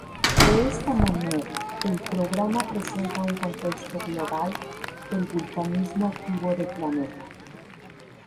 De esta manera, el programa presenta un contexto global del vulcanismo activo del planeta.